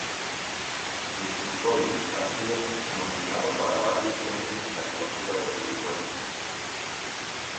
Destructoid ha sido nominado para varios premios en la cobertura de videojuegos.